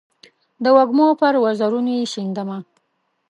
د وږمو پر وزرونو یې شیندمه